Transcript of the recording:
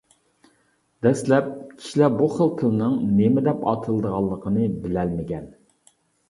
دەسلەپ كىشىلەر بۇ خىل تىلنىڭ نېمە دەپ ئاتىلىدىغانلىقىنى بىلەلمىگەن.